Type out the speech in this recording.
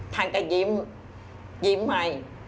ท่านก็ยิ้มยิ้มให้